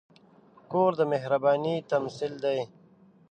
کور د مهربانۍ تمثیل دی.